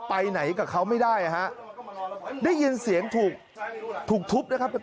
ไปไหนกับเขาไม่ได้ฮะได้ยินเสียงถูกทุบนะครับ